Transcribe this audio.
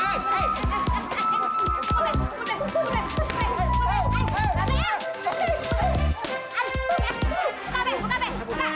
buka peh buka peh buka